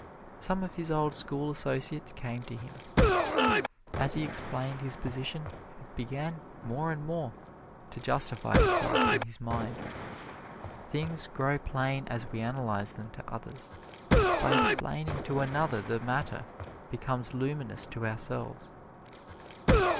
Some of his old school associates came to him. As he explained his position, it began more and more to justify itself in his mind. Things grow plain as we analyze them to others by explaining to another the matter becomes luminous to ourselves.